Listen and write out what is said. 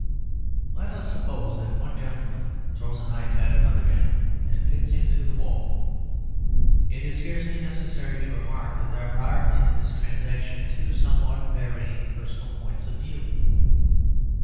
Let us suppose that one gentleman throws a knife at another gentleman and pins him to the wall. It is scarcely necessary to remark that there are in this transaction two somewhat varying personal points of view.